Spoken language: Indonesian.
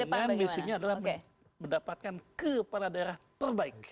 karena misinya adalah mendapatkan kepala daerah terbaik